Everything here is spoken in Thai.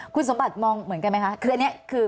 คุณสมบัติมองเหมือนกันไหมคะคืออันนี้คือ